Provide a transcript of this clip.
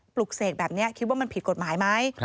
ปลุกเสกแบบนี้คิดว่ามันผิดกฎหมายไหม